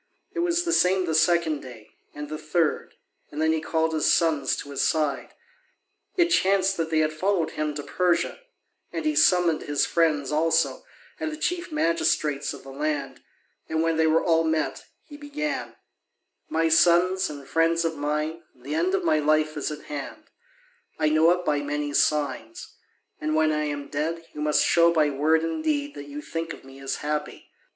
It was the same the second day, and the third, and then he called his sons to his side it chanced they had followed him to Persia and he summoned his friends also and the chief magistrates of the land, and when they were all met, he began: "My sons, and friends of mine, the end of my life is at hand: I know it by many signs. And when I am dead, you must show by word and deed that you think of me as happy.